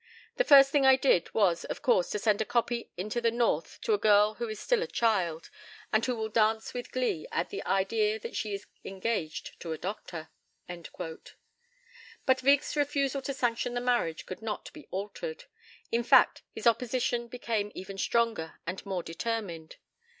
The first thing I did was, of course, to send a copy into the north to a girl who is still a child, and who will dance with glee at the idea that she is engaged to a Doctor." But Wieck's refusal to sanction the marriage could not be altered. In fact, his opposition became even stronger and more determined.